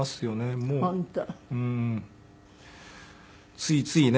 ついついね